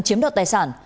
chiếm đoạt tài sản